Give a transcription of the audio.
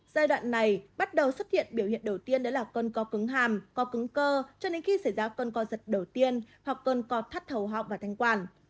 giai đoạn này bắt đầu xuất hiện biểu hiện đầu tiên đó là cơn co cứng hàm co cứng cơ cho đến khi xảy ra cơn co giật đầu tiên hoặc cơn cọt thắt thầu học và thanh quản